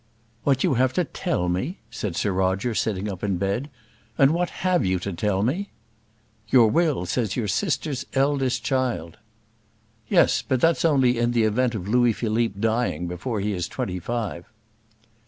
"What you have to tell me!" said Sir Roger, sitting up in bed; "and what have you to tell me?" "Your will says your sister's eldest child." "Yes; but that's only in the event of Louis Philippe dying before he is twenty five."